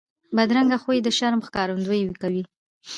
بدرنګه خوی د شر ښکارندویي کوي